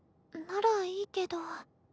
ならいいけど。